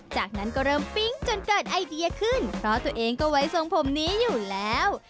จากนั้นก็เริ่มปิ๊งจนเกิดไอเดียขึ้นเพราะตัวเองก็ไว้ทรงผมนี้อยู่แล้ว